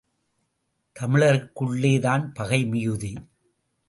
தமிழர்களுக்குள்ளேதான் பகை மிகுதி.